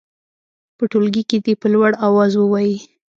په ټولګي کې دې په لوړ اواز ووايي.